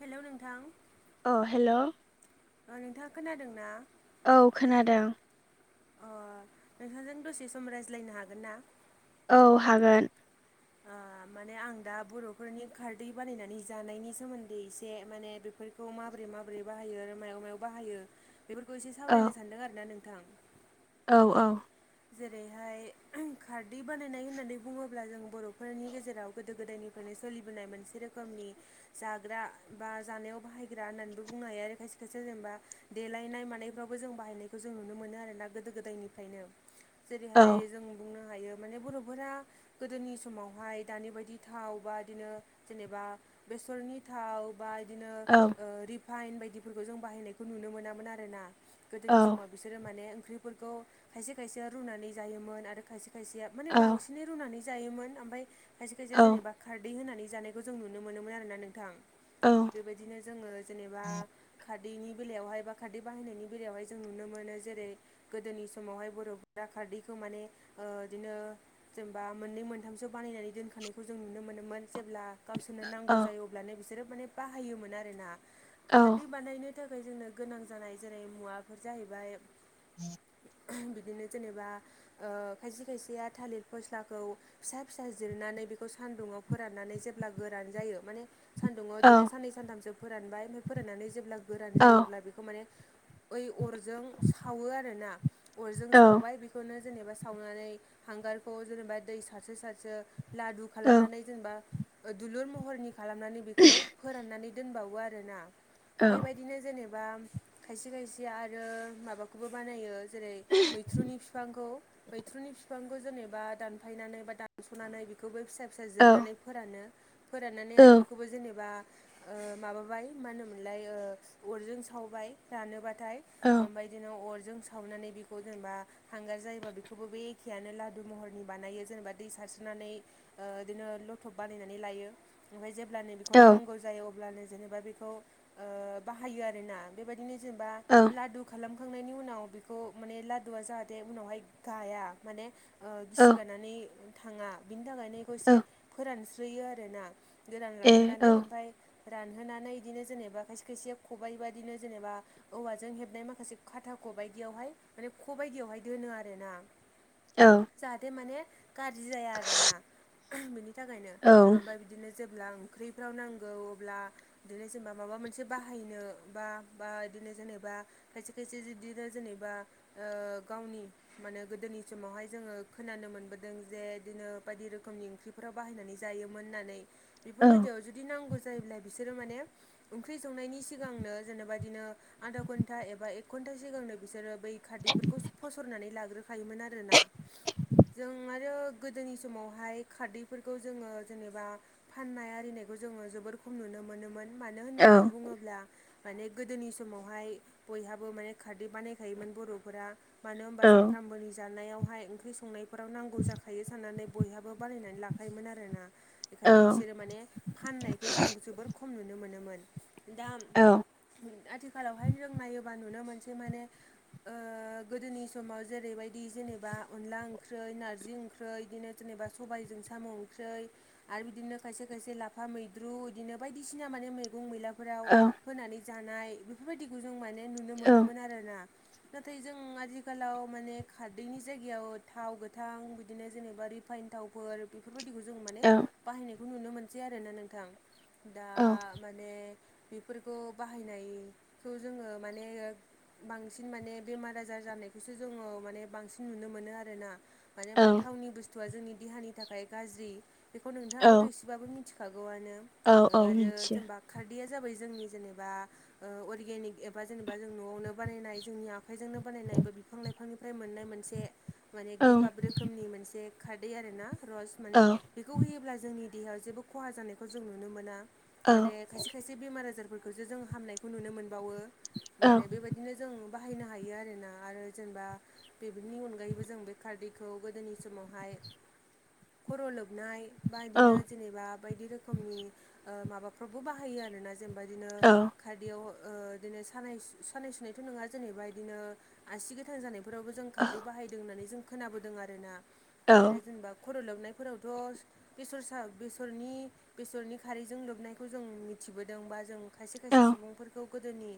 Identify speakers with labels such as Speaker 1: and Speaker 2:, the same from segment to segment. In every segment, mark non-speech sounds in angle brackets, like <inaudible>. Speaker 1: हेल' नोंथां।
Speaker 2: अ हेल'
Speaker 1: अ नोंथाङा खोनादों ना?
Speaker 2: औ खोनादों।
Speaker 1: अ नोंथांजों दसे सम रायज्लायनो हागोन ना?
Speaker 2: औ हागोन।
Speaker 1: माने आं दा बर'फोरनि खारदै बानायनानै जानायनि सोमोन्दै एसे माने बेफोर खौ माबोरै माबोरै बाहायो आरो मायाव मायाव बाहायो बेफोरखौ एसे
Speaker 2: औ
Speaker 1: सावरायनो सानदों आरो ना नोंथां।
Speaker 2: औ औ
Speaker 1: जेरैहाय खारदै बानायनाय होननानै बुङोब्ला जों बर'फोरनि गेजेराव गोदो गोदायनिफ्रायनो सोलिबोनाय मोनसे रोखोमनि जाग्रा बा जानायाव बाहायग्रा होननानैबो बुंनो हायो आरो खायसे खायसे जेनेबा देलायनाय मानायफ्रावबो जों बाहायनायखौ जों नुनो मोनो आरोना गोदो गोदायनिफ्रायनो।
Speaker 2: औ
Speaker 1: जेरैहाय जों बुंनो हायो माने बर'फोरा गोदोनि समावहाय दानि बायदि थाव बा बिदिनो जेनेबा बेसरनि थाव बा बिदिनो
Speaker 2: औ
Speaker 1: रिफाइन बायदिफोरखौ जों बाहायनायखौ नुनो मोनामोन आरोना
Speaker 2: औ
Speaker 1: गोदोनि समाव बिसोरो माने ओंख्रिफोरखौ खाय खायसेया रुनानै जायोमोन आरो खायसे खायसेया माने
Speaker 2: औ
Speaker 1: बांसिनै रुनानै जायोमोन ओमफाय खायसे खायसे
Speaker 2: औ
Speaker 1: जेनेबा खारदै होनानै जानायखौ जों नुनो मोनोमोन आर ना नोंथां।
Speaker 2: औ
Speaker 1: बेबायदिनो जोङो जेनेबा खार खारदैनि बेलायावहाय बा खारदै बाहायनायनि बेलायावहाय जों नुनो मोनो जेरै गोदोनि समावहाय दा खारदैखौ माने बिदिनो जेनेबा मोननै मोनथामसो बानायनानै दोनखानायखौ जों नुनो मोनोमोन जेब्ला गावसोरनो
Speaker 2: औ
Speaker 1: नांगौ जायो अब्लानो बिसोरो माने बाहायोमोन आर ना खारदै बानायनो बेनि थाखाय जोंनो गोनां जानाय जेरै मुवाफोर जाहैबाय बिदिनो जेनेबा खायसे खायसेया थालिर फस्लाखौ फिसा फिसा जिरनानै बेखौ सान्दुंङाव फोराननानै जेब्ला गोरान जायो माने सानदुङाव
Speaker 2: औ
Speaker 1: बिदिनो साननै सानथामसो फोरानबाय ओमफफ्राय फोराननानै जेब्ला गोरान जायो
Speaker 2: औ
Speaker 1: अब्ला बेखौ माने ओइ अरजों सावो आरो ना अरजों सावबाय बेखौ बेखौनो जेनेबा सावनानै हांगारखौ जेनेबा दै सारसो सारसो लादु खालामनानै जेनेबा दुलुर महरनि खालामनानै बेखौ फोराननानै दोनबावो आरोना बेबायदि बिदिनो जेनेबा खायसे खायसे आरो माबाखौबो बानायो जेरै मैथ्रुनि बिफांखौ मैथ्रुनि बिफांखौ जेनेबा दानफायनानै बा दानस'नानै बेखौबो फिसा फिसा जिरनानै फोरानो फोराननानै आरो बेखौबो जेनेबा माबाबाय मा होनोमोनलाय अरजों सावबाय रानोब्लाथाय ओमफाय बिदिनो अरजों सावनानै बे बे खौ जेनेबा हांगार जायोबा बेखौबो बे एखेयानो लादु महरनि बानायो जेनेबा दै सारस्रनानै बिदिनो लथब बानायनानै लायो ओमफ्राय जेल नै बे खौ नांगौ जायो अब्लानो जेनेबा बेखौ बाहायो आरोना बेबायदिनो जेनेबा
Speaker 2: औ।
Speaker 1: लादु खालामखांनायनि उनाव बेखौ माने लादुआ जाहाथे उनावहाय गाया माने
Speaker 2: औ
Speaker 1: गिसि गारानानै थाङा बिनि थाखायनो बेखौ एसे फोरानस्रोयो आरोना गोरान
Speaker 2: ए औ
Speaker 1: रानहोनानै ओमफ्राय रानहोनानै बिदिनो जेनेबा खायसे खायसे खबाइबाददिनो जेनेबा औवाजों हेबनाय माखासे खाथा ख बायदियावहाय माने ख बायदियावहाय दोनो आर ना।
Speaker 2: औ।
Speaker 1: जाहाथे माने गाज्रि जाया आरोना बिनि थाखायनो
Speaker 2: औ
Speaker 1: ओमफ्राय बिदिनो जेब्ला ओंख्रिफ्राव नांगौ अब्ला बिदिनो जेनेबा माबा मोनसे बाहायनो बा बा बिदिनो जेनेबा खायसे खायसे बिदिनो जेनेबा गावनि माने गोदोनि समावहाय जोङो खोनानो मोनबोदों जे बिदिनो बायदि रोखोमनि ओंख्रि फोराव बाहायनानै जायोमोन होननानै बेफोरबायदियाव
Speaker 2: औ
Speaker 1: जुदि नांगौ जायोब्ला बिसोरो माने ओंख्रि संनायनि सिगांनो जेनेबादिनो आधा घन्टा एबा एक घन्टा सिगांनो बिसोरो बै खारदैफोरखौ फसरनानै लाग्रोखायोमोन आरोना। जों आरो गोदोनि समावहाय खारदैफोरखौ जोङो जेनेबा फाननाय आरिनायखौ जोङो जोबोर खम नुनो मोनोमोन मानो होननानै
Speaker 2: औ
Speaker 1: बुङोब्ला माने गोदोनि समावहाय बयहाबो माने खारदै बानायखायोमोन बर'फोरा मानो
Speaker 2: औ
Speaker 1: होनबा सानफ्रामबोनि जानायावहाय ओंख्रि संनाय न'खराव नांगौ जाखायो साननानै बयहाबो बानायनानै लाखायोमोन आरोना बेखायनो बिसोरो माने फाननायखौ जों जोबोर खम नुनो मोनोमोन दा आथिखालावहाय जों नायोबा नुनो मोनसेै माने गोदोनि समाव जेरैबायदि जेनेबा अनला ओंख्रि नारजि ओंख्रि बिदिनो जेनेबा सबायजों साम' ओंख्रि आरो बिदिनो खायसे खायसे लाफा मैद्रु बिदिनो बायदिसिना माने मैगं मैला फोराव होनानै जानाय बेफोरबायदिखौ जों माने नुनो मोनोमोन आरोना नाथाय जों आथिखालाव माने खारदैनि जायगायाव थाव गोथां बिदिनो जेनेबा फाइन्थावफोर बेफोरबायदिखौ जों माने बाहायनायखौ नुनो मोनसै आरोना नोंथां दा माने बेफोरखौ बाहायनायखौ जोङो माने बांसिन बांसिन माने बेमार आजार जानायखौसो जोङो माने बांसिन नुनो मोनो आरो ना मान हबा थावनि बुस्थु बुस्थुआ जोंनि देहानि थाखाय गाज्रि बेखौ
Speaker 2: औ
Speaker 1: नोंथाङाबोथ' एसेबाबो मिथिखागौआनो
Speaker 2: औ औ
Speaker 1: आरो
Speaker 2: मिथियो
Speaker 1: जेनेबा खारदैया जाबाय जोंनि जेनेबा अर्गेनिक एबा जेनेबा जों न'आवनो बानायनाय जोंनि आख आफायजोंनो बानायनायबो बिफां लाइफांनिफ्राय मोननाय मोनसे माने
Speaker 2: औ
Speaker 1: गोबाब रोखोमनि मोनसे खारदै आर ना रस माने
Speaker 2: औ
Speaker 1: बेखौ होयोब्ला जोंनि देहायाव जेबो खहा जानायखौ जों नुनो मोना
Speaker 2: औ
Speaker 1: माने खायसे खायसे ए बेमार आजारफोरखौसो जों हामनायखौ नुनो मोनबावो
Speaker 2: औ औ
Speaker 1: माने बेबायदिनो जों बाहायनो हायो आरोना आरो जेनेबा बेफोरनि अनगायैबो जों बे खारदैखौ गोदोनि समावहाय खर' लोबनाय बा बिदिनो जेनेबा बायदि रोखोम रोखोमनि माबाफ्रावबो बाहायो आरोना जेनेबा बिदिनो खारदयाव बिदिनो सानाय सानाय सुनायथ' नङा जेनेबा बिदिनो आसि गोथां जानायफोरावबो जों खारदै बाहायदों होननानै जों खोनाबोदों आर ना आरो
Speaker 2: औ
Speaker 1: जेनेबा खर' लोबनायफोरावथ' बेसरसा बेसरनि बेसरनि खारैजों लोबनायखौ जों मिथिबोदों बा जों खायसे खायसे
Speaker 2: औ
Speaker 1: सुबुंफोरखौ गोदोनि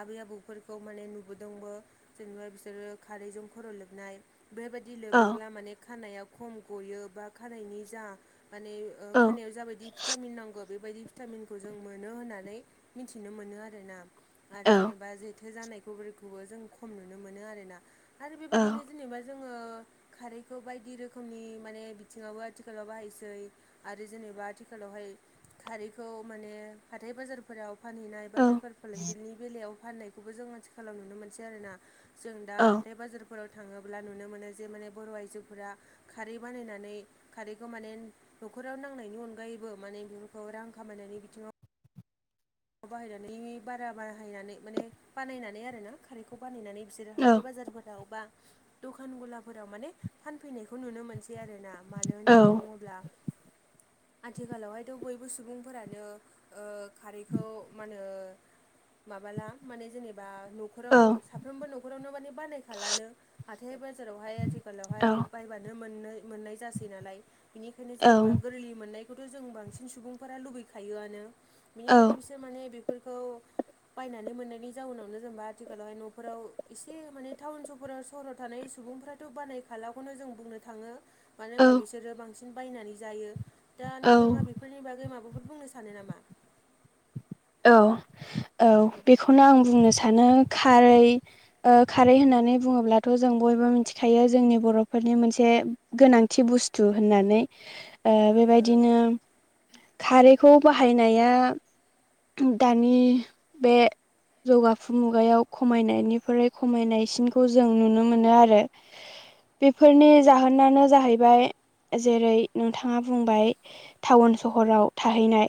Speaker 1: आबै आबौफोरखौ माने नुबोदोंबो जेनेबा बिसोरो खारैजों खर' लोबनाय बेबायदि
Speaker 2: औ
Speaker 1: लोबोब्ला माने खानायाइा खम गयो बा खानायाइनि जा माने खानायाव जाबायदि भिटामिन नांगौ बेबायदि भिटामिनखौ जों मोनो होननानै मिथिनो मोनो आरोना आरो जेनेबा जेथो जानायखौफोरखौबो जों खम नुनो मोनो आरोना आरो बेबायदिनो जेनेबा जों आङो खारैखौ बायदि रोखोमनि माने बिथिङावबो आथिखालाव बाहायसै आरो जेनेबा आथिखालावहाय खारैखौ माने हाथथाय बाजार फोराव फानहैनाय बा बेफोर फालांगगिरिनि बेलायाव फाननायखौबो जों मथि खालामाव नुनो मोनसै आर ना जों दा हाथाय बाजारफोराव थाङोब्ला नुनो मोनो जे माने बर' आइजोफोरा खारै बानायनानै खारैखौ माने न'खराव नांनायनि अनगायैबो माने बेफोरखौ रां खामायनायनि बिथिङाव बाहायनानै बारा बारााहायनानै माने बानायनानै आरोोना खारैखौ बानायनानै बिसोरो हाथाय बाजारफोराव बा दखान गलाफोराव माने फानफैनायखौ नुनो मोनसै आरो ना मानो होननानै बुङोब्ला आथिखालावहायथ' बयबो सुबुंफोरानो खारै खौ मा होनो माबाला माने जेनेबा न'खराव साफ्रोमबो न'खरावनो माने बानायखालानो हाथाय बाजारावहाय आथिखालावहाय बायबानो मोन मोननाय जासै नालाय बेनिखायनो जेनेबा गोरलैनि मोननायखौथ' जों बांसिन सुबुंफोरा लुबैखायोआनो बिनिखायनो बिसोर माने बेफोरखौ बायनानै मोननायनि जाउनावनो जेनेबा आथिखालावहाय न'फोराव एसे माने टाउन सपाव सहराव थानाय सुबुंफ्राथ' बानायखालाखौनो जों बुंनो थाङो मानो होनबा बिसोरो बांसिन बायनानै जायो दा नोंथाङा बेखौ बेफोरनि बागै माबाफोर बुंनो सानो नामा
Speaker 2: औ औ बेखौनो आं बुंनो सानो खारै खारै होननानै बुङोब्लाथ' जों बयबो मिथिखायो जोंनि बर'फोरनि मोनसे गोनांथि बुस्थु होननानै
Speaker 1: <inaudible> ओ
Speaker 2: बेबायदिनो खारैखौ बाहायनाया दानि बे जौगाफु मुगायाव खमायनायनिफ्राय खमायनायसिनखौ जों नुनो मोनो आरो। बेफोरनि जाहोनानो जाहैबाय जेरै नोंथाङा बुंबाय। टाउन सहराव थाहैनाय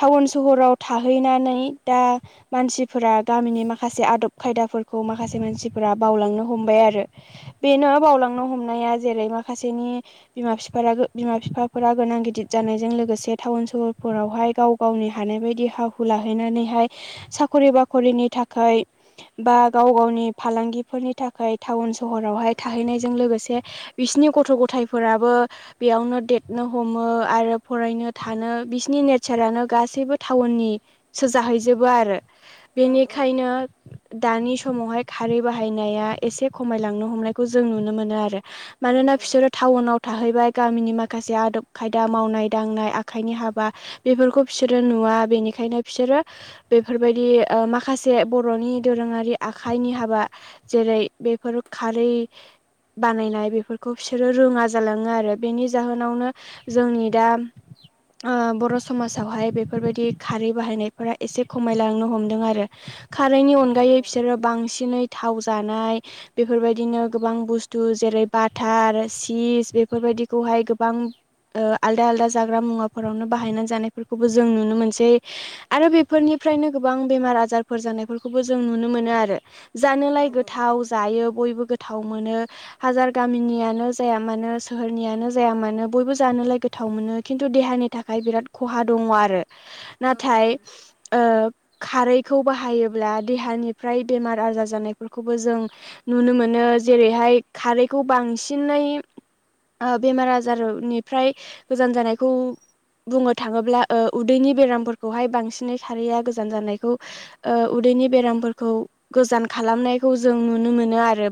Speaker 2: टाउन सहराव थाहैनानै दा मानसिफोरा गामिनि माखासे आदब खायदाफोरखौ माखासे मानसिफोरा बावलांनो हमबाय आरो। बेनो बावलांनो हमनाया जेरै माखासेनि बिमा बिफ बिमा बिफाफोरा गोनां गिदिर जानायजों लोगोसे टाउन सहरफोरावहाय गाव गावनि हानाय बायदि हा हु लाहैनानैहाय साखरि बाख'रिनि थाखाय बा गाव गावनि फालांगिफोरनि थाखाय टाउन सहरावहाय थाहैनायजों लोगोसे बिसिनि गथ' गथायफोराबो बेयावनो देरनो हमो आरो फरायनो थानो बिसिनि नेचारानो गासैबो था टाउननि सो जाहैजोबो आरो
Speaker 1: औ
Speaker 2: बेनिखायनो दानि समावहाय खारै बाहायनाया एसे खमायलांनो हमनायखौ जों नुनो मोनो आरो।
Speaker 1: औ
Speaker 2: मानोना बिसोर टाउनाव थाहैबाय गामिनि माखासे आदब खायदा मावनाय दांनाय आखाइनि हाबा बेफोरखौ बिसोरो नुवा बेनिखायनो बिसोरो बेफोरबायदि ओ माखासे बर'नि दोरोङारि आखाइनि हाबा जेरै बेफोर खारै बानायनाय बेफोरखौ बिसोरो रोङा जालाङो आरो बेनि जाहोनावनो जोंनि दा बर' समाजावहाय बेफोरबायदि खारै बाहायनायफोरा एसे खमायलांनो हमदों आरो खारैनि
Speaker 1: औ
Speaker 2: अनगायै बिसोरो बांसिनै थाव जानाय बेफोरबायदिनो गोबां बुस्थु जेरै बाटार चिस बेफोरबायदिखौहाय गोबां ओ आलदा आलदा जाग्रा मुवाफोरावनो बाहायनानै जानायफोरखौबो जों नुनो मोनसै। ज आरो बेफोरनिफ्रायनो गोबां बेमार आजारफोर जानायफोरखौबो जों नुनो मोनो आरो।
Speaker 1: औ
Speaker 2: जानोोलाय गोथाव जायो बयबो गोथाव मोनो। हाजार गामिनियानो जाया मानो सोहोरनियानो जाया मानो बयबो जानोलाय गोथाव मोनो खिन्थु देहानि थाखाय हाय बिराद खहा दङ आरो
Speaker 1: औ
Speaker 2: नाथाय ओ खारैखौ बाहायोब्ला देहानिफ्राय बेमार आजार जानायफोरखौबो जों नुनो मोनो जेरैहाय खारैखौ बांसिनै बेमार आजारनिफ्राय गोजान जानायखौ बुंनो थाङोब्ला ओ उदैनि बेरामफोरखौहाय बांसिनै खारैया गोजान जानायखौ ओ उदैनि बेरामफोरखौ गोजान खालामनायखौ जों नुनो मोनो आरो।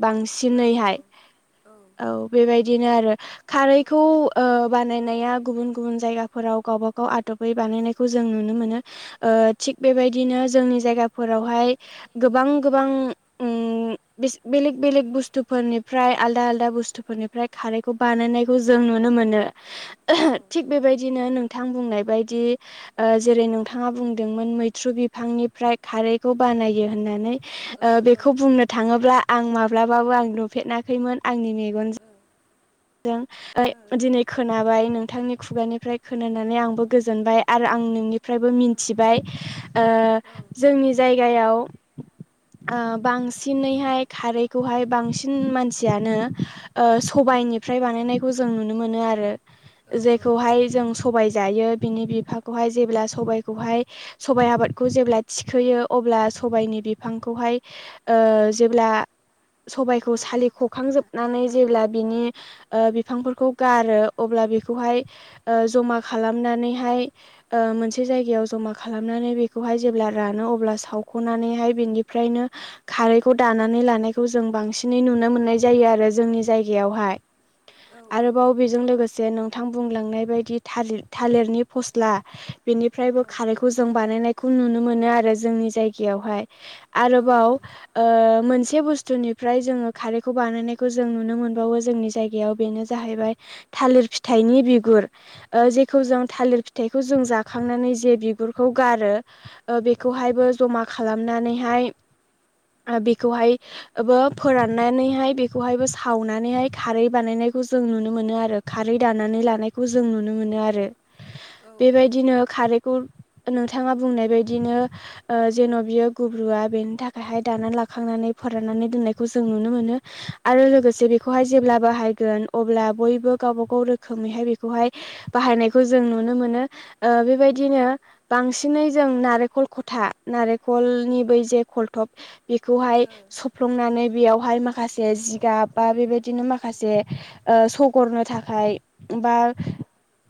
Speaker 1: औ ओ औ ओ
Speaker 2: बांसिनैहाय
Speaker 1: औ
Speaker 2: औ बेबायदिनो आरो। खारैखौ ओ बानायनाया गुबुन गुबुन जायगाफोराव गावबा गाव आदबै बानायनायखौ जों नु नुनो मोनो ओ थिग बेबायदिनो जोंनि जायगाफोरावहाय गोबां गोबां बेलेक बेलेग बुस्थुफोरनिफ्राय आलदा आलदा बुस्थुफोरनिफ्राय ओमफ्राय खारैखौ बानायनायखौ जों नुनो मोनो।
Speaker 1: <inaudible>
Speaker 2: थिग बेबायदिनो नोंथां बुंनाय बायदि ओ जेरै नोंथाङा बुंदोंमोन मैथ्रु बिफांनिफ्राय खारैखौ बानायो होननानै।
Speaker 1: औ
Speaker 2: ओ बेखौ बुंनो थाङोब्ला आं माब्लाबाबो आं नुफेनााखैमोन आंनि मेगन
Speaker 1: औ
Speaker 2: जों दिनै खोनाबाय नोंथांनि खुगानिफ्राय खोनानानै आंबो गोजोनबाय आरो आं नोंनि मफ्रायबो मिथिबाय ओ जोंनि जायगायाव बांसिनैहाय खारैखौहाय बांसिन मानसियानो ओ सबायाइनिफ्राय बानायनायखौ जों नुनो मोनो आरो जेखौहाय जों सबाय जायो बिनि बिफाखौहाय जेब्ला सबायखौहाय सबायाइ आबादखौ जेब्ला थिखोयो अब्ला सबायाइनि बिफांखौहाय ओ जेब्ला सबायखौ सालिख'खांजोबनानै जेब्ला बिनि ओ बिफांफोरखौ गारो अब्ला बेखौहाय जमा खालामनानैहाय ओ मोनसे जायगायाव जमा खालामनानै बेखौहाय जेब्ला रानो अब्ला सावख'नानैहाय बिनिफ्रायनो खारैखौ दानानै लानायखौ जों बांसिनै नुनो मोननाय जायो आरो जोंनि जायगायावहाय
Speaker 1: औ औ
Speaker 2: बाव बेजों लोगोसे नोंथां बुंलांनाय बायदि थालिर थालिरनि फस्ला बेनिफ्रायबो
Speaker 1: औ
Speaker 2: खारैखौ जों बानायनायखौ नुनो मोनो आरो जोंनि जायगायावहाय
Speaker 1: औ
Speaker 2: आरोबाव
Speaker 1: औ
Speaker 2: ओ मोनसे बुस्थुनि फ्राय जङो खारैखौ बानायनायखौ जों नुनो मोनबावो जोंनि जायगायाव बेनो जाहैबाय थालिर फिथाइनि बिगुर ओ जेखौ जों थालिर फिथाइखौ जों जाखांनानै जे बिगुरखौ गारो बेखौहायबो जमा खालामनानैहाय बेखौहायबो फोराननानैहाय बेखौहायबो सावनानैहाय खारै बानायनायखौ जों नुनो मोनो आरो खारै दानानै लानायखौ जों नुनो मोनो आरो बेबायदिनो खारैखौ नोंथाङा बुंनाय बायदिनो ओ जेन' बियो गुब्रुआ बेनि थाखायहाय दाना लाखांनानै फोराननानै दोननायखौ जों नुनो मोनो आरो लोगोसे बेखौहाय जेब्ला बाहायगोन अब्ला बयबो गावबा गाव रोखोमैहाय बेखौहाय बाहायनायखौ जों नुनो मोनो बेबायदिनो बांसिनै जों नारेंखल खथा नारेंखलनि बै जे खलथब बेखौहाय सफ्लंनानै बेयावहाय माखासे जिगाब बा बेबाय बिदिनो माखासे ओ सगरनो थाखाय बा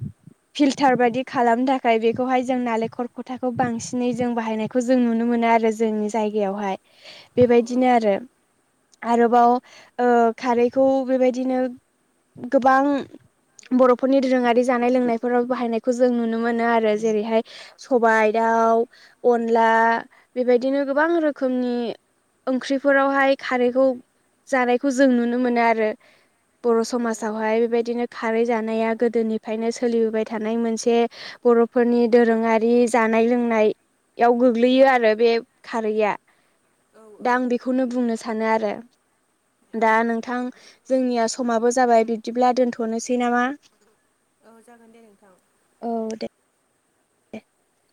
Speaker 1: <inaudible>
Speaker 2: फिल्टार बायदि खालामनो थाखाय बेखौहाय जों नालेंखर खथाखौ बांसिनै जों बाहायनाय खौ जों नुनो मोनो आरो जोंनि जायगायावहाय
Speaker 1: <inaudible>
Speaker 2: बेबायदिनो आरो आरोबाव ओ खारैखौ बेबायदिनो गोबां बर'फोरनि दोरोङारि जानाय लोंनायफोराव बाहायनायखौ जों नुनो मोनो आरो जेरैहाय सबाइ दाउ अनला बेबायदिनो गोबां रोखोमनि ओंख्रिफोरावहाय खारैखौ जानायखौ जों नु नो मोनो आरो बर' समावहाय बेबायदिनो खारै जानाया गोदोनिफ्रायनो सोलिबोबाय थानाय मोनसे बर'फोरनि दोरोङारि जानाय लोंनाय याव गोग्लैयो आरो बे खारैया दा आं बेखौनो बुंनो सानो आरो दा नों जोंनिया समाबो जाबाय बिब्दिब्ला दोनथ'नोसै नामा
Speaker 1: औ जागोन दे नोंथां
Speaker 2: औ दे <inaudible>